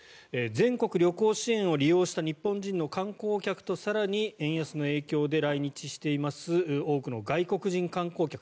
全国旅行支援を利用した日本人の観光客と更に、円安の影響で来日しています多くの外国人観光客。